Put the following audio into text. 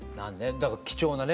だから貴重なね